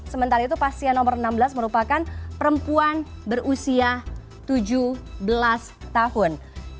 sementara itu pasien nomor enam belas merupakan perempuan berusia tujuh belas tahun